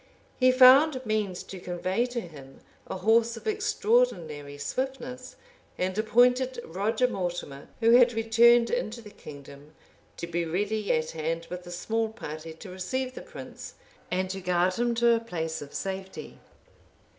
He found means to convey to him a horse of extraordinary swiftness; and appointed Roger Mortimer who had returned into the kingdom, to be ready at hand with a small party to receive the prince, and to guard him to a place of safety.